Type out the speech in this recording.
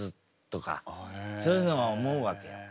そういうのは思うわけよ。